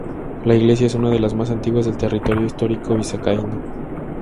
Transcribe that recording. La iglesia es una de las más antiguas del Territorio Histórico vizcaíno.